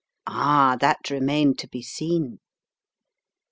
Ah! that remained to be seen.